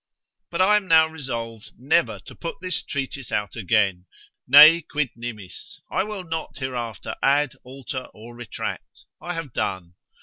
But I am now resolved never to put this treatise out again, Ne quid nimis, I will not hereafter add, alter, or retract; I have done.